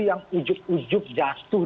yang ujuk ujuk jatuh